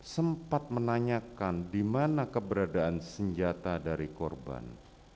sempat menanyakan di mana keberadaan senjata dari korban